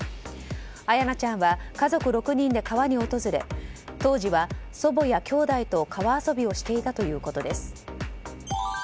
彩陽奈ちゃんは家族６人で川に訪れ当時は祖母やきょうだいと川遊びをしていたということです。